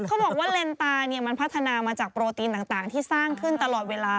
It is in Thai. เขาบอกว่าเลนตายมันพัฒนามาจากโปรตีนต่างที่สร้างขึ้นตลอดเวลา